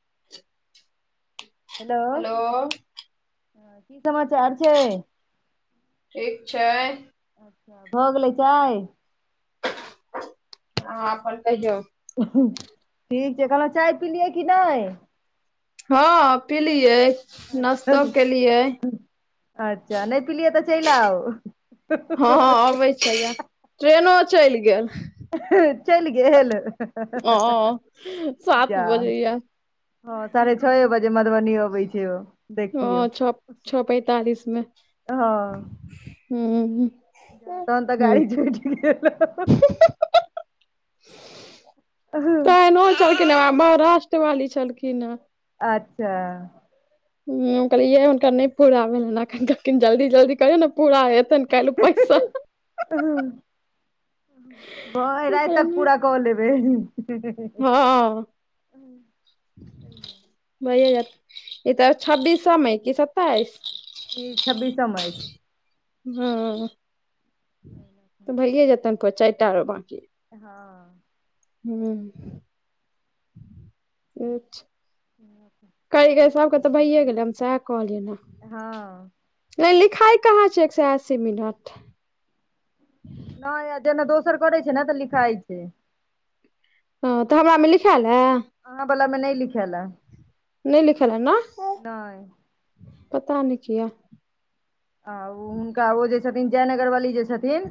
[inaudible] हलो hello की समाचार छैय। ठीक छैय। अच्छा भऽ गेलै चाय। अहाॅं अपन कहियो। ठीक छैय, कहलहुँ चाय पिलियै की नैय हां, पिलिये अच्छा नश्तो केलियै। अच्छा नैय पिलिये तऽ चल आउ। छयै, ट्रेनो चैलि गेल। चलि गेल--जा- ओ सात बजैये हां, साढ़े छए बजे मधुबनी आबै छैय ओ देखियौ हां, छ छो पैंतालिस मे हूॅं ‌। जा तहन तऽ गाड़ी छुइट गेल। [inaudible] तहनो छलखिन हे महाराष्ट्र वाली छलखिन हे। अच्छा हूॅं, हम कहलियै हुनकर नै पूरा भेल अखन तक कहलखिन जल्दी-जल्दी करियौ ने पूरा हेतै। पैसा [unintelligible] भऽ राति तक पूरा कऽ लेबै। हां। भयै जैतइ तऽ छब्बीस सए मे की सताइस ताइस ई छब्बीस सए में अछि। हां, तऽ भइए जेतैन चाइर टा बांकी हां हूॅं अच्छा ह [inaudible] कैर के सबके तऽ भइये गेले हम सएह कहलियै हँ ने लिखाइ कहाँ छियै, एक सए अस्सी मिनट नै जेना दोसर करै छै ने तैयऽ लिखाइ छै। ह तऽ हमरा मे लिखायल हे अहाँ वला में नैय लिखैयल हे नै लिखल हे न पता नैय कियए। हां, उ हुनका ओ जे छथिन जयनगर वाली जे छथिन।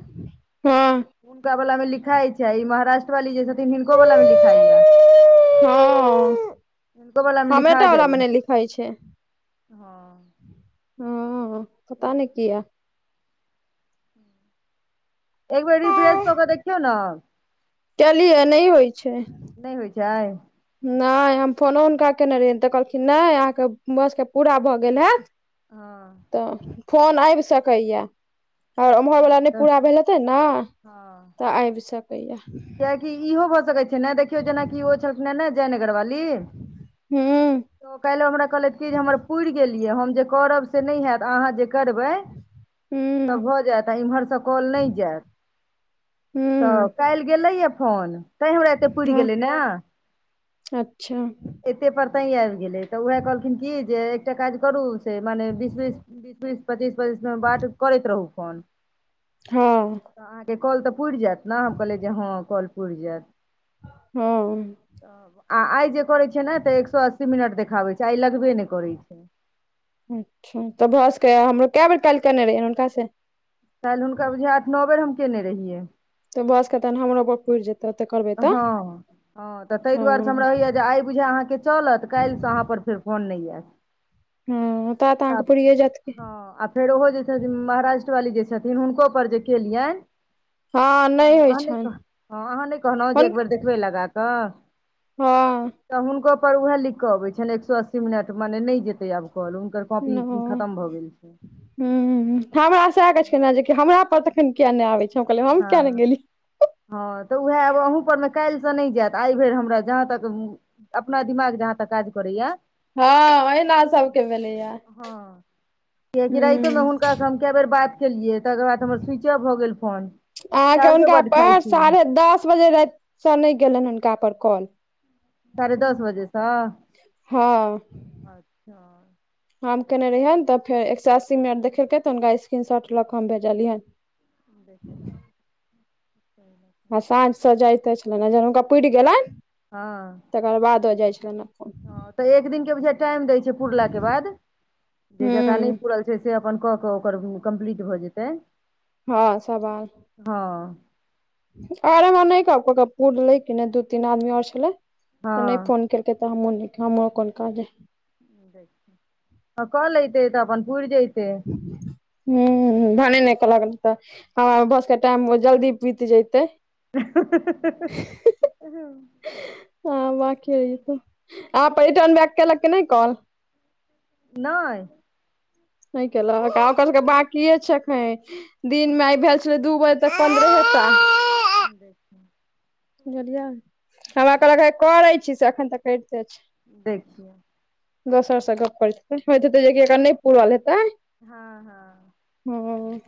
हँ हुनका बलामे लिखैय छै, ई महाराष्ट्र वाली जे छथिन हिनको वला मे लिखइए ये हिनको वलामे हमरे लिखा का वाला में जाइए नै लिखाइ छैय। हँ हां पता नै कियै। एक बेर रिफ्रेश कऽ कऽ देखियौ नै। कैलिए नै होय छै। नै होय छै। नै हम फोनो हुनका केने रहियै तऽ कहलखिन्ह नै अहाँके भ सकय यै पूरा भऽ गेल हैत। हां। तऽ फोन ऐब सकय यै। हां सही उम्हर बला ने नै तऽ पूरा भैल हैतय नै तऽ आएब सकय यै। कियाकि इहो भऽ सकय छै नै देखियौ जेनाकि ओ छलखिन्ह हें नै जय नगर बाली हूँ तऽ काएल ओ हमरा कहलैथ कि जे हमर पुर गैल यै हम जे करब से नै हैत अहाँ जे करबै हूँ तब भ जाएत अ इम्हर से कॉल नै जाएत तऽ हूँ काएल गेलै यै फोन। तै हमरा एते पूर हँ गेलैय नै, अच्छा ऐत से पर तै आएब गेलै तऽ उहै कहलखिन्ह की जे एकटा काज करू से मने बीस-बीस बीस-बीस पच्चीस-पच्चीस में बात करैत रहू फोन हां। तऽ अहाँके कॉल तै पुर जाएत नै हम कहलियै जे हां कॉल पूर जाएत। हां। हां आ आय जे करय छीयै नै तऽ एक सौ अस्सी मिनट देखाबय छै, आय लगबे नै करय छै। अच्छा तब भऽ सकय यै हमरो कै बेर काएल केनय रहिए हुनका से? काएल हुनका बुझियौ आठ नौ बेर हम केनै रहियै। तब भ सकय तहन हमरो पर पुर जाए तुरते कहल कै हां-हां त तै दुआरे से हमरा होय यै जे आय बुझायो अहाँ के चलत काएल से अहाँ पर फेर फोन नै ऐत। हां ता तै अहाँके पूरियै जाएत हँ आ फेर ओहो जे छथिन महाराष्ट्र बाली जे छथिन हुनको पर जे केलयैन हां नै होय छै। अहां जे एक बेर देखबै लगा कै हां। तऽ हुनको पर उहै लिख कऽ अबै छैन एक सौ अस्सी मिनट मने नै जेतै आब कॉल हुनकर कॉपी खत्म भ गेल छै। हुं हमरा सैह कहै छकै नै जे हमरा पर तखन कियै नै आबे छै। हम कहलियै हम हां। किया नहि गेलियै हां तै उहै आब अहूँ पर मे काएल से नै जाएत आय भर हमरा जहाँ तक उम्म अपना दिमाग जहाँ तक काज करय यै। हँ एहिना सबके भेलैया हां कियाकि राइतै हूँ मे हुनका से हम कै बेर बात केलियै तकर बाद हमर स्विचे ऑफ भऽ गेल फोन। अहाँके चार्जो हुनका बड्ड खाइ पर छी साढ़े दस बजे राएत से नै गेलैन हुनका पर कॉल साढ़े दस बजे से हँ अच्छा हम केने रहियैन तब फेर एक सौ अस्सी मिनट देखेल कै तऽ हुनका स्क्रीन शॉट लऽ के हम भेजलियै। देख [inaudible] आ साँझ से जाएते छलैन ऐ जब हुनका पुर गेलय हां। तकर बादो जाए छलैन ऐ फोन हॅं त एक दिन के बुझाइये टाइम दै छै पुरला के बाद जे जकरा नै हूँ पूरल छै से अपन कऽ कऽ ओकर कम्प्लीट भऽ जेतै। हँ सेह बा हँ। और हम नहि कहब पूरलै कि नै दू तीन आदमी और छलै त नै हँ फोन केल कै त हमु नै हमो कोन काज ऐह। कऽ लैतै तऽ अपन पूरि जयतै। हूॅं भने नै कहलक त हमरा भ सकये टाइम जल्दी बीत जै तहि [inaudible] हँ बांकी रहि जेतै आ पर्यटन बैग केलक कि नै कॉल? नऽय। नै केलक आ ओकर सबके बांकियै छै अखैन दिन मे आइ भेल छलै दू बजे तऽ पन्द्रहे टा [inaudible] बुझलियै हमरा कहलक हे करै छी से अखन तऽ करिते छै। देखियौ। दोसर से गप करैत हेतै होइत हेतै जे कि एकर नै पूरल हेतै। हँ हँ। हूॅं।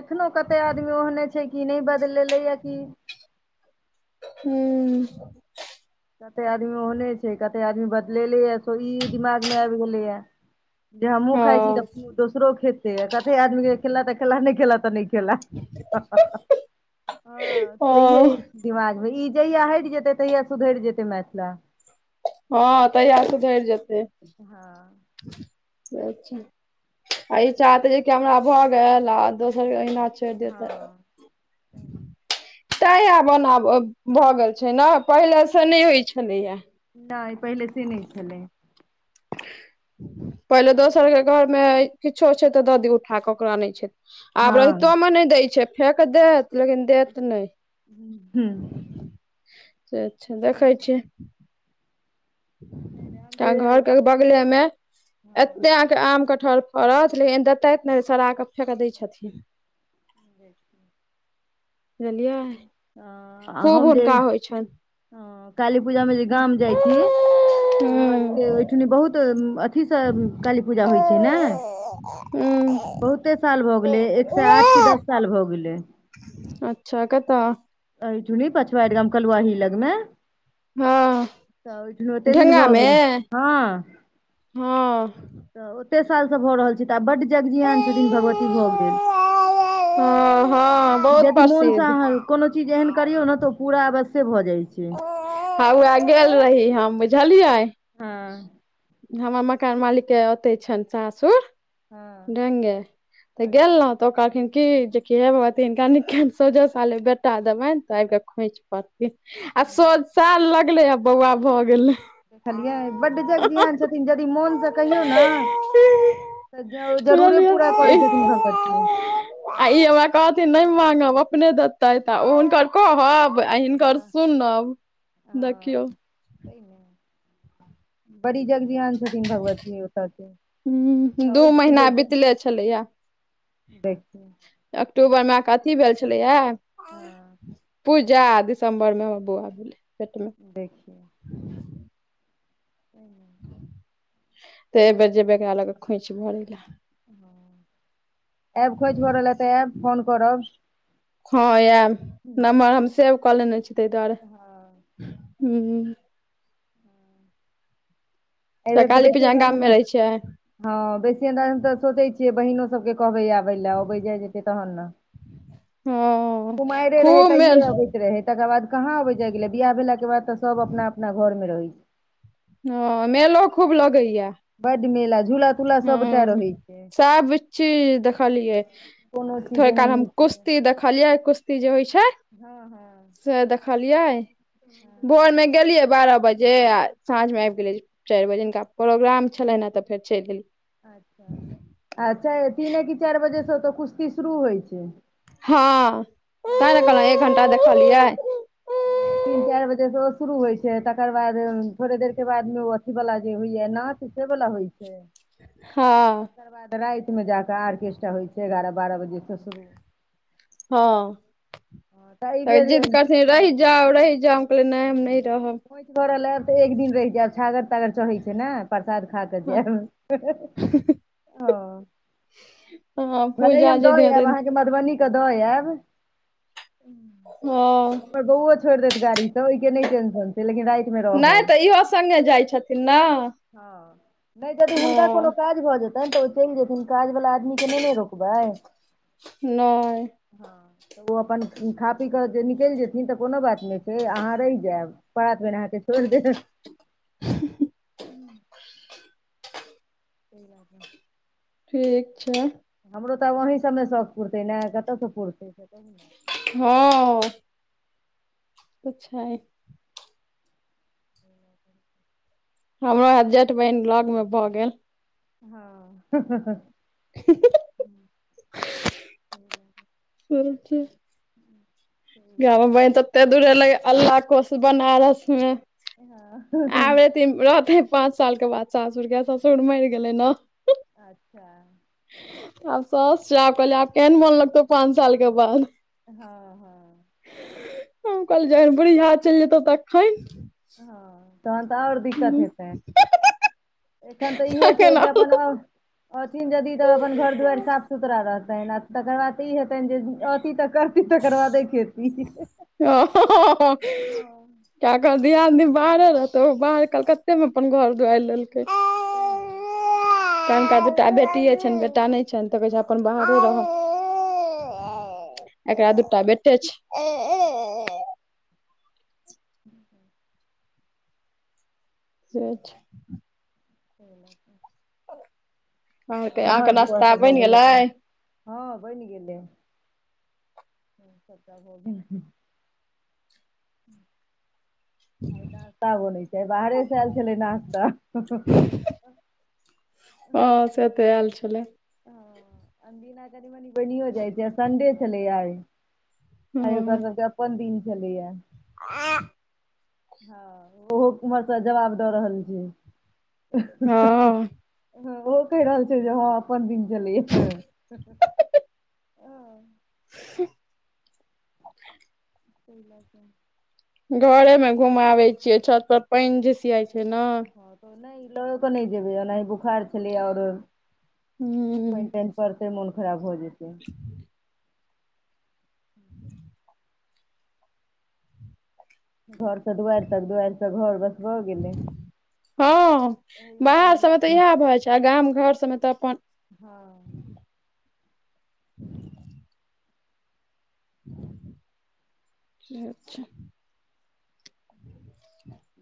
एखनो कते आदमी ओहने छै कि नै बदलेलै ये कि। हूं। कते आदमी ओहने छै कते आदमी बदलेलै ये स इ दिमाग मे आबि गेलैये। जे हमहुँ खाइ छी हँ तऽ दोसरो खेतै आ कते आदमी के खेला तऽ खेला नै खेला तऽ नै खेला हॅं ओ छइहे इ दिमाग मे ई जहिया हटि जेतै तहिया सुधरि जेतै मैथिला। हँ तहिया सुधरि जेतै। हँ। अच्छा आ इ चाहतै जे कि हमरा भऽ गेल आ दोसर के अहिना छोड़ि दियौ हँ त तांइ आब ओना ब भऽ गेल छै नऽ पहिले से नै होइ छलैये। नै पहिले से नै छलै। पहिले दोसर के घर मे किछो छै तऽ दऽ दीयौ उठा कऽ ओकरा नै छै आब हँ रहितो मे नै दै छै फेेक देत लेकिन देत नै। हूँ से छै देखै छियैह। हम एकटा जे घर के बगले मे हँ एत्ते आम कटहर फड़त लेकिन देतैथ नै सरा क फेेक दै छथिन। बुझलियै आ आ हम खूब जे हुनका होइ छनि हॅं काली पूजा मे जे गाम जाइ छी तऽ हमरा सबके हूँ ओइठनी बहुत अथी से काली पूजा होइ छै ने हूँ बहुत कते साल भऽ गेलै एक सेए आठ की दस साल भऽ गेलै। अच्छा कत्तऽ? अहिठुनी पछवाड़ि गाम कलुवाही लग मे। हँ तऽ ओइठिना ओते दिन ढेंगा भऽ मे गेलै हँ। हँ तऽ ओते सालसँ भऽ रहल छै, तऽ आब बड्ड जग- जियान छथिन भगवती भऽ गेल। ह- हँ बहुत प्रसिद्ध। सैह हाल, कोनो चीज एहन करियौ ने तऽ, ओ पूरा अवश्ये भए जाय छै। ह उएह गेल रही हम बुझलियै। हँ। हमर मकान मालिक के ओऔते छनि सासुर। हँ ढंगे, तऽ अच्छा गेलहुँ तऽ ओ कहलखिन की जेकि हेभगवती! हिनका सझे साले बेटा देबनि तऽ आब कऽ खोंच पड़त। आ सो साल लगले आ बौआ भऽ गेलै। बुझलियै, बड्ड जग -जिहान छथिन, यदि मोनसँ कहियौ ने तऽ जरूरे बुझलियै पूरा करै ई छथिन, भगवती! आ ई हमरा कहथिन नहि माँगब, अपने देतैथ, आ ओ हुनकर कहब आब हनक हँ सुनब, हँ देखियौ। बड़ी जल्द तेहन छथिन भगवती ओत के, आ ओई आ बीतले छलै य। देखि। अक्टूबर म के अथी भेल छलैया, हँ पू जा दिसम्बर मे बौआ भेलै। पेट मे देखियौ। ह। तऽ एहि बेेर जेबै, एकरा लक खोंच भरै ल। आब खोज भरल ले तऽ आयब, फोन करब। हँ आयब, नम्बर हम सेव कऽ लेने छी ताहि दुआरे। हँ हू। एहि बेर तऽ काली बेसी पिजा गाम अन्द मे रहै छियै हँ, बेसी अन्दाज तऽ सोचे छियै बहिनो सबके कहबै आबै ले, अबै जेत तहन ने। हँ कुमायरे रहै खूब मेल तहिये अबै रहे, तकर बाद कहाँ अबे जाय गेले, बियाह भेला के बाद तऽ सब अपना -अपना घर मे रहै छै। हँ, मेलो खूब लगैया। बड मेला, झूला तूला सबटा हँ, रहै छै सब चीज देखलियै। कोनो चीज थोड़ एहन काल हम नहि छै जे कुश्ती देखलियै, कुश्त जे होइ छै, हँ हँ से देखलियै, भोर मे गेलियै बारह बजे। जे साँझमे आबि गेलिये चारि बजे, हिनका प्रोग्राम छलनि हँ, तऽ फेर चलि एलियै। आ च तीने कि, चारि बजेसँ ओतऽ कुश्ती शुरू होइ छै। हँ, ते ने हँ कहलहु, एक घंटा देखलियै। तीन चारि बजेसँ ओ शुरू होइत छै, तकर बाद थोड़े देरके बादमे ओ अथीवला जे होइया नाच। से बला होइ छै। हँ। तेकर बाद रातिमे जाकऽ आर्केस्ट्रा होइ छै, एगारह बारह बजेसँ शुरू। हँ, हँ तऽ एहि त बेर जिद्द करथिन रहि हँ जाउ, रहि जाउ, हम कहलि नै हम नै खोछि भर ल आयब तऽ एक दिन रहि जायब, छागर- तागर चहै छै ने, प्रसाद खा कऽ जायब। ओ, हँ भले ही पूजा हम जे द दिन हेतै आयब, अहाँके म मधुबनी के द एब। हँ बौओ छोड़ देत गाड़ी त ओइ के नई टेंशन छै लेकिन राइ, नहि रहब, तऽ इहो संगे जाइ छथिन ने हँ नई जदि हुनका कोनो हँ काज, भ जेतैन त ओ चइल जेतन काज वाला आदमी के नई ना रोकबै। नए, ओ अपन खा पी क जे निकइल जेथिन त कोनो बात नए छै अहाँ रहि जैब। प्रात भने अहाँके छोइर देत त, [inaudible] ठीक छै। हमरो त ब अहीं सभमे शौक पुरतै ने कतयसँ पुरतयै। हँ। कुछ, हमरो जेठ बैर में बिया ब भ गेल। हँ, हं- हं-हं। हुं हूं ह बात [inaudible] [inaudible] गे हमर तते दूर रोले ये अल्लाह कोसी बनारस में। [inaudible] एथिन एथि पाँच साल के बाद सासुर गेल ससुर मइल गेलै ना। अच्छा। आब साउस जै कोला आब केहन मोन लगतय पाँच साल के बाद। हँ-हँ। हम काइल जाई बुढ़िया चइल जेतै तैखन। हँ। तहन त आओर दिक्कत हेतैन------एखन त इहो छै तखन जे अपन आ, रहथिन यदि त अपन घर दुआरि साफ सुथरा रहतन आ तकर बाद ई हेतैन जे ओति त कर, केकर बादे खेती हं-हं। एकर दियादनी बाहरे रहतै बाउ एकर कलकत्तेमे अपन घोर दुआर लेलकै। [inaudible] कनिटा दूटा बेटिए छेन बेटा नय छेन त कहै छ अपन बाहरे रहब। अच्छा। एकरा दूटा बेटे छै। [inaudible] से छै। [inaudible] ह अहाँके नमहर अहाँके बौआ नाश्ता सब भऽ बइन गेलै। तऽ हँ बइन गेलै। [inaudible] [inaudible] [unintelligible] बाहरेसँ ऐल छलै नाश्ता। हूं। त ऐल छलै। अन दिना कनियौ बनियो जाइ छै संन्डे छलैया आय। आय ओकर सबके अपन दिन छलैया। आ [unintelligible] हँ ओहो उमरसँ जवाब दऽ रहल छै! हँ ओहो कहय रहल छय जे हां अपन दिन छलय। हुं [unintelligible] [inaudible] घरे में घुमाबे छियै छत पर पैन झिसीआई छय न। नहि लक नहि जेबै ओहिना बुखार छलै और हूँ पैन तैन। परतै मोन खराब भऽ जेतै। [inaudible] [inaudible] घर से दुआरि तक दुआरि सँ घर बस भ गेलै। हँ एहिमे बाहर बुझि सभ मे जेतै तऽ इएह भ जाय छै आ गाम घर सभ मे तऽ अपन। हँ। [inaudible] से छै। [unintelligible]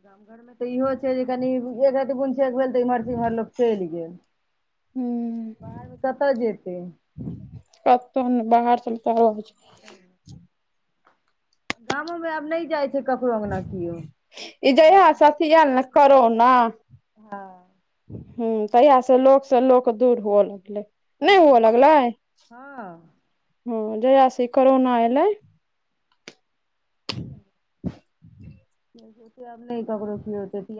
गाम घर में तऽ इहो छै जे कनि एकरती बुनछेक भेल इमहर से इमहर लोक चलि गेल बाहर मे कतऽ जेते। कतो नैह बाहर सब मे त और छै। [inaudible] गामो मे आब नय जाइ छै ककरो अंगना कीओ। ई जहिया से अथी आयल न करोना। हँ। हूं तहिआ स लोक से लोक दूर हुअ लगलै। नहि हुव हँ लगले हँ ह जैहीया से ई करोना आयलै। [inaudible] अब नय ककरो कीयो छै [unintelligible]